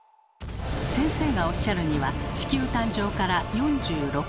先生がおっしゃるには地球誕生から４６億年。